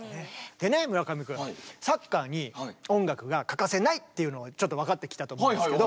でね村上君サッカーに音楽が欠かせないっていうのはちょっと分かってきたと思うんですけど。